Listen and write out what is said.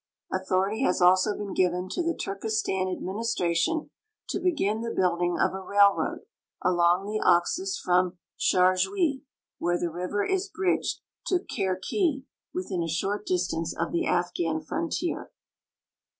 Authority has also been given to the Turkestan administration to begin the build ing of a railroad along the Oxus from Charjui, where the river is bridged, to Kerki, within a short distance of the Afghan frontier.